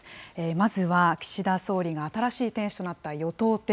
まずは岸田総理が新しい店主となった与党亭。